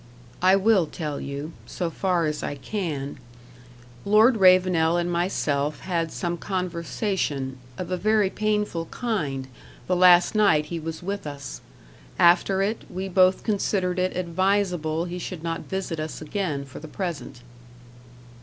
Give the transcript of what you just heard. "I will tell you so far as I can. Lord Ravenel and myself had some conversation, of a very painful kind, the last night he was with us. After it, we both considered it advisable he should not visit us again for the present."